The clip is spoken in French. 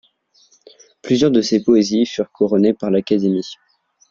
Plusieurs de ses poésies furent couronnées par l'Académie.